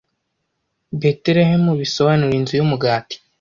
Betelehemu bisobanura Inzu yumugati